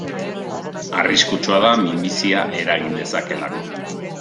Arriskutsua da, minbizia eragin dezakeelako.